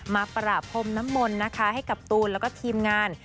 มาปราบพรมน้ำมนต์นะคะให้กับตูนแล้วก็ทีมงาน